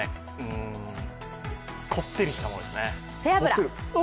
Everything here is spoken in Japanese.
こってりしたものですね。